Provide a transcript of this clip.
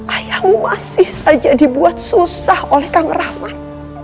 ayahmu masih saja dibuat susah oleh kang rahmat